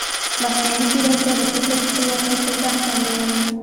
مصنوعي ځیرکتیا د فکر خپلواکي تر بحث لاندې راولي.